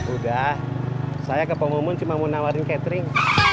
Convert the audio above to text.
udah saya ke pengumuman cuma mau nawarin catering